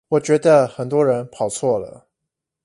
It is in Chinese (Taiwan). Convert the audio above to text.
我覺得很多人跑錯了